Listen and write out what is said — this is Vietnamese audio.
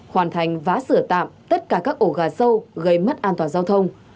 hoàn thành vá sửa tạm tất cả các ổ gà sâu gây mất an toàn giao thông